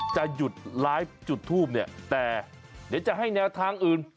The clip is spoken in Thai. จะหยุดไลฟ์จุดทูปเนี่ยแต่เดี๋ยวจะให้แนวทางอื่น